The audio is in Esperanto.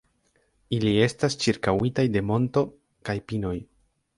Ili estas ĉirkaŭitaj de monto kaj pinoj.